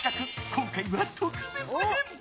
今回は特別編！